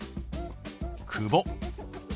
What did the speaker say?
「久保」。